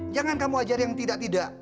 jangan kamu ajar yang tidak tidak